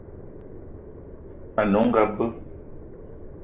Ane onga be.